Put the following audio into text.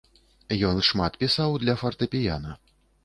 Ён шмат пісаў для фартэпіяна.